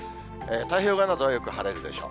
太平洋側などはよく晴れるでしょう。